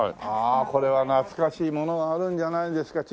ああこれは懐かしいものがあるんじゃないんですか？